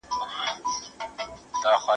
ژوند د اخلاقو ښکلا